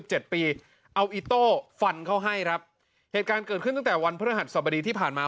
ให้แรบเหตุการ์เกิดขึ้นตั้งแต่วันพระหัดสวัสดีที่ผ่านมา